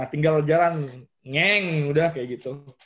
tinggal jalan ngeng udah kayak gitu